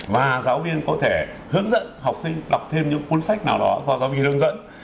và giáo viên có thể hướng dẫn học sinh đọc thêm những cuốn sách nào đó do giáo viên hướng dẫn